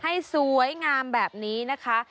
ให้สวยงามแบบนี้นะคะ